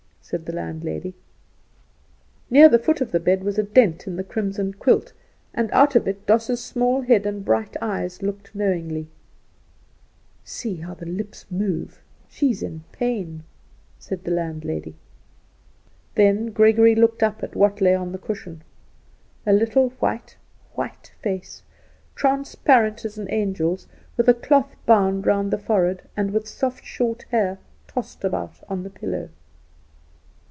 said the landlady. Near the foot of the bed was a dent in the crimson quilt, and out of it Doss' small head and bright eyes looked knowingly. Then Gregory looked up at what lay on the cushion. A little white, white face, transparent as an angel's with a cloth bound round the forehead, and with soft hair tossed about on the pillow.